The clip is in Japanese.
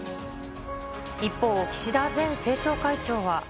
一方、岸田前政調会長は。